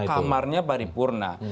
kamarnya pari purna